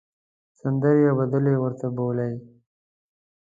سندرې او بدلې ورته بولۍ.